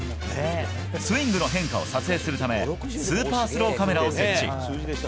スイングの変化を撮影するためスーパースローカメラを設置。